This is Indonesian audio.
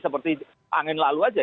seperti angin lalu saja